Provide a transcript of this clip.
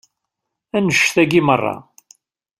Annect-agi meṛṛa.